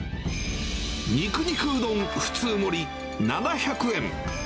肉肉うどん普通盛７００円。